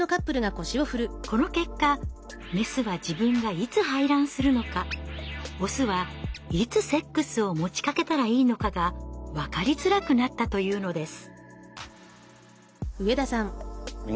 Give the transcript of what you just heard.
この結果メスは自分がいつ排卵するのかオスはいつセックスを持ちかけたらいいのかが分かりづらくなったというのです。